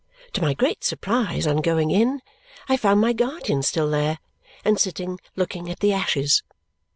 To my great surprise, on going in I found my guardian still there, and sitting looking at the ashes.